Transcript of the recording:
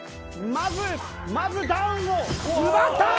まずまずダウンを奪ったー！